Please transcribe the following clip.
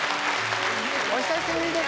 お久しぶりです